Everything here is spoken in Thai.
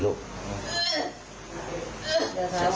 หนูเป็นใครล่ะ